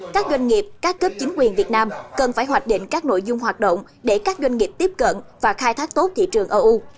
các doanh nghiệp các cấp chính quyền việt nam cần phải hoạch định các nội dung hoạt động để các doanh nghiệp tiếp cận và khai thác tốt thị trường eu